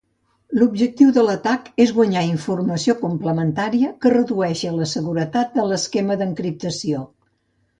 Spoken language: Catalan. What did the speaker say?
L'objectiu de l'atac és guanyar informació complementària que redueixi la seguretat de l'esquema d'encriptació.